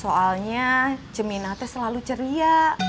soalnya ceminah t selalu berbicara